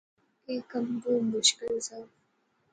ایہہ کم بہوں مشکل زا